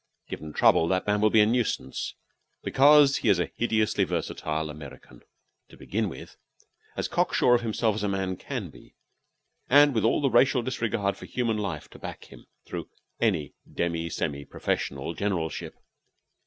Given trouble, that man will be a nuisance, because he is a hideously versatile American, to begin with, as cock sure of himself as a man can be, and with all the racial disregard for human life to back him, through any demi semi professional generalship.